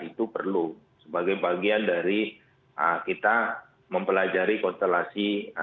itu perlu sebagai bagian dari kita mempelajari konstelasi